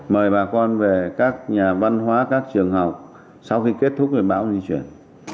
mời bà con về các nhà văn hóa các trường học sau khi kết thúc với bão di chuyển